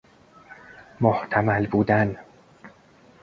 محتمل بودن